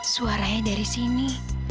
suaranya dari sini